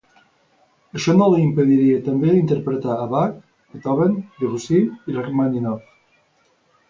Això no li impediria també interpretar a Bach, Beethoven, Debussy i Rakhmàninov.